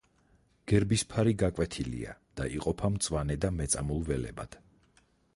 გერბის ფარი გაკვეთილია და იყოფა მწვანე და მეწამულ ველებად.